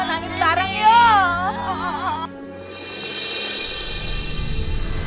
nangis sekarang yuk